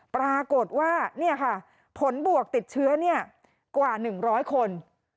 ปรากฏว่าผลบวกติดเชื้อกว่า๑๐๐คน